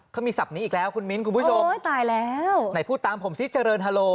เขามีศัพท์นี้อีกแล้วคุณมิ้นคุณผู้ชมโอ้ยตายแล้วไหนพูดตามผมซิเจริญฮาโล